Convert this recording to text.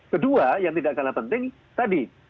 kedua yang tidak kalah penting tadi